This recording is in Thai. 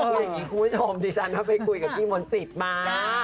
คุณผู้ชมที่ฉันก็ไปคุยกับพี่มนติศมา